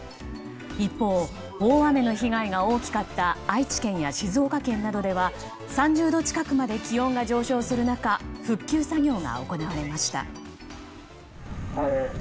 一方、大雨の被害が大きかった愛知県や静岡県などでは３０度近くまで気温が上昇する中復旧作業が行われました。